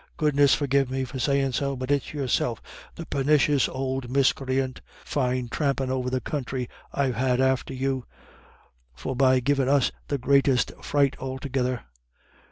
"Goodness forgive me for sayin' so, but it's yourself's the pernicious ould miscreant. Fine thrampin' over the counthry I've had after you forby givin' us the greatest fright altogether.